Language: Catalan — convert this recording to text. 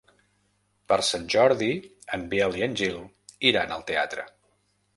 Per Sant Jordi en Biel i en Gil iran al teatre.